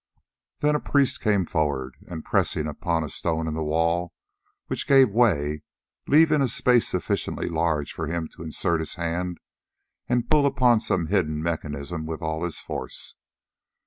Then a priest came forward, and pressed upon a stone in the wall, which gave way, leaving a space sufficiently large for him to insert his hand and pull upon some hidden mechanism with all his force.